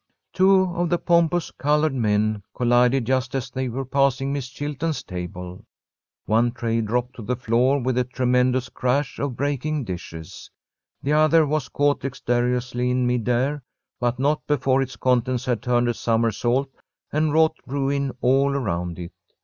Two of the pompous coloured men collided just as they were passing Miss Chilton's table. One tray dropped to the floor with a tremendous crash of breaking dishes. The other was caught dexterously in mid air, but not before its contents had turned a somersault and wrought ruin all around it.